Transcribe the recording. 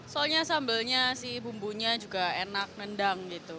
soalnya sambalnya sih bumbunya juga enak nendang gitu